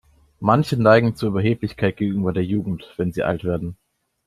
Manche neigen zu Überheblichkeit gegenüber der Jugend, wenn sie alt werden.